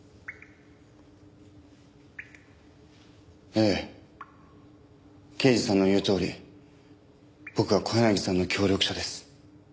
ええ刑事さんの言うとおり僕は小柳さんの協力者です。